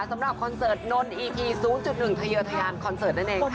สำหรับคอนเสิร์ตนนนอีพีศูนย์จุดหนึ่งทะเยียวทะยานคอนเสิร์ตนั่นเองค่ะ